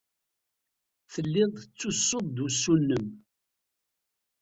Telliḍ tettessuḍ-d usu-nnem.